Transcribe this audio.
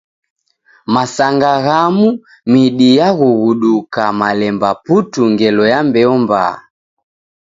Masanga ghamu, midi yaghughuduka malemba putu ngelo ya mbeo mbaha.